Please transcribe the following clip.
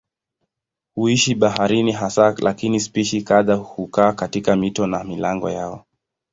Huishi baharini hasa lakini spishi kadhaa hukaa katika mito na milango yao.